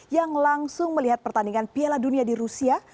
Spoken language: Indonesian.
yang langsung melihat pertandingan piala dunia di rusia